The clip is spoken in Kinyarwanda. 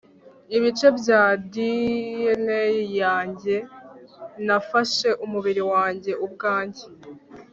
ibice bya dna yanjye. nafashe umubiri wanjye ubwanjye